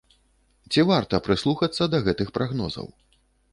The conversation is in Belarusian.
Ці варта прыслухацца да гэтых прагнозаў?